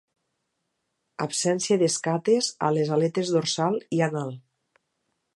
Absència d'escates a les aletes dorsal i anal.